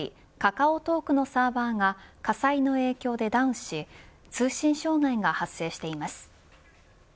カカオトークのサーバーが火災の影響でダウンし通信障害が発生しています。